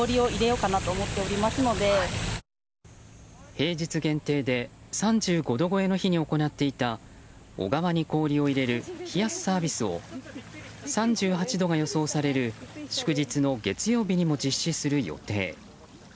平日限定で３５度超えの日に行っていた小川に氷を入れる冷やすサービスを３８度が予想される祝日の月曜日にも実施する予定。